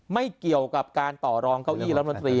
ไม่เกี่ยวกับการต่อรองเก้าอี้รัฐมนตรี